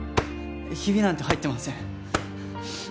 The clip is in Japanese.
ヒビなんて入ってません。